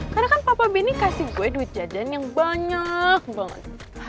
karena kan papa benny kasih gue duit jaden yang banyak banget